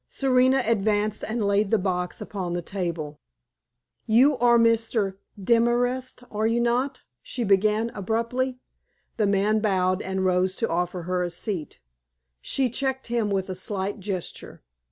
Serena advanced and laid the box upon the table. "You are Mr. Demorest, are you not?" she began, abruptly. The man bowed and rose to offer her a seat. She checked him with a slight gesture.